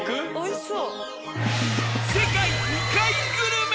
おいしそう。